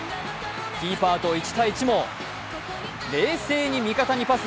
キーパーと１対１も冷静に味方にパス。